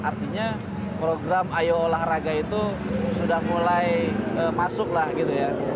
artinya program ayo olahraga itu sudah mulai masuk lah gitu ya